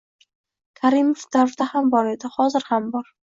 Karimov davrida ham bor edi, hozir ham bor.